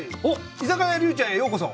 居酒屋りゅうちゃんへようこそ。